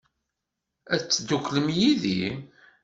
Ad tedduklem yid-i?